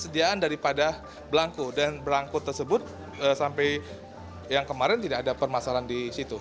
dari pada belangkuk dan belangkuk tersebut sampai yang kemarin tidak ada permasalahan di situ